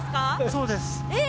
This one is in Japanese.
そうですえ！